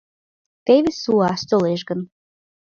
Теве суас толеш гын